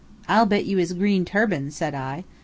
"I'll bet you his green turban," said I.